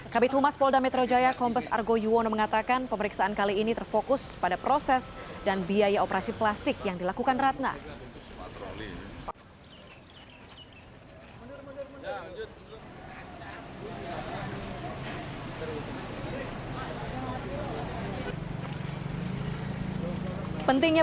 kabit humas polda metro jaya kompas argo yuwono mengatakan pemeriksaan kali ini terfokus pada proses dan biaya operasi plastik yang dilakukan ratna